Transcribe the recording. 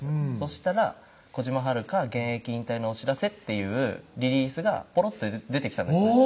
したら「兒島晴香現役引退のお知らせ」というリリースがぽろって出てきたんですね